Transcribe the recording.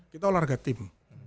kita olahraga tim